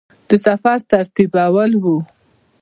د سفر ترتیبول وه.